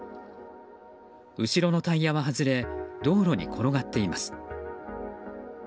後ろのタイヤが外れ道路に転がっています。